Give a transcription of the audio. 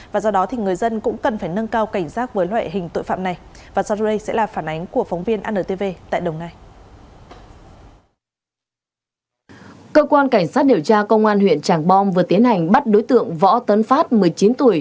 và do đó người dân cũng cần phải nâng cao cảnh giác với loại hình tội phạm này